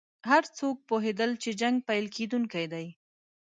هر څوک پوهېدل چې جنګ پیل کېدونکی دی.